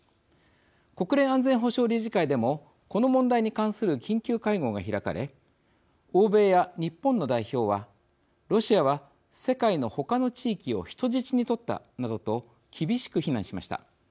国連安全保障理事会でもこの問題に関する緊急会合が開かれ欧米や日本の代表はロシアは、世界の他の地域を人質に取ったなどと厳しく非難しました。